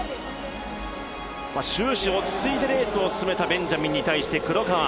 終始、落ち着いてレースを進めたベンジャミンに対して黒川